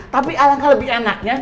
tapi alangkah lebih enaknya